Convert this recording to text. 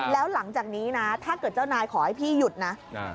แล้วหลังจากนี้นะถ้าเกิดเจ้านายขอให้พี่หยุดนะ